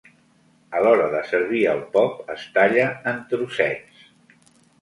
A l'hora de servir el pop es talla en trossets.